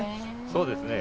そうですね